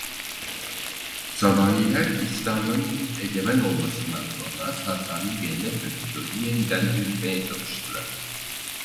Samaniler İslam'ın egemen olmasından sonra Sasani gelenek ve kültürünü yeniden diriltmeye çalıştılar.